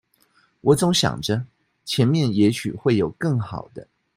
我總想著前面也許會有更好的